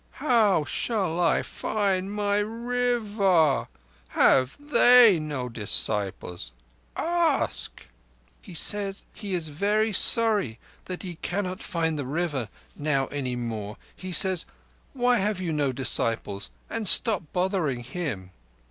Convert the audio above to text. How shall I find my River? Have they no disciples? Ask." "He says he is very sorree that he cannot find the River now any more. He says, Why have you no disciples, and stop bothering him?